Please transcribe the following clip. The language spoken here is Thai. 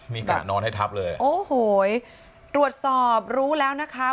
มีกะนอนให้ทับเลยโอ้โหตรวจสอบรู้แล้วนะคะ